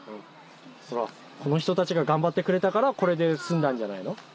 この人たちが頑張ってくれたからこれで済んだんじゃないの？